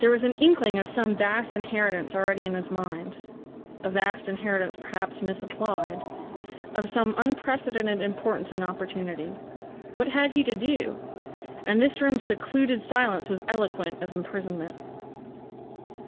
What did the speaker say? There was an inkling of some vast inheritance already in his mind a vast inheritance perhaps misapplied of some unprecedented importance and opportunity. What had he to do? And this room's secluded silence was eloquent of imprisonment!